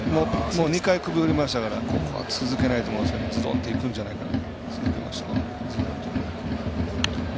もう２回、首振りましたからここは続けないと思うんですけどズドンといくんじゃないかな。